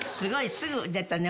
すぐ出たね